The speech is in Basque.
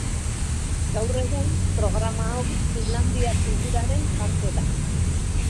Gaur egun, programa hau Finlandiar kulturaren parte da.